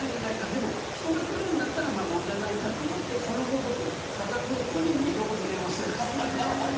でも人が来るんだったら問題ないかと思ってその後、僕、佐賀空港に２度ほど電話しました。